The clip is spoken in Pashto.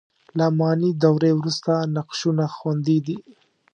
له اماني دورې وروسته نقشونه خوندي دي.